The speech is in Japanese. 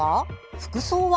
服装は？